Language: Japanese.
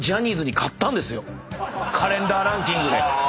カレンダーランキングで。